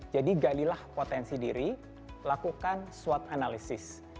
jadi galilah potensi diri lakukan swot analisis